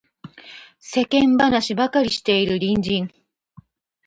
世間話ばかりしている隣人